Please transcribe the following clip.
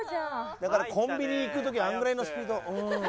だからコンビニ行く時はあのぐらいのスピード。